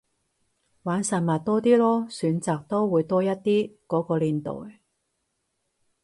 玩實物多啲囉，選擇都會多一啲，嗰個年代